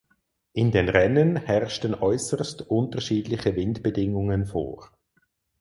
In den Rennen herrschten äußerst unterschiedliche Windbedingungen vor.